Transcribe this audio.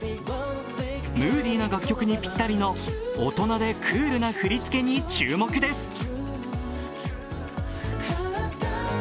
ムーディーな楽曲にぴったりの大人でクールな振り付けに注目です。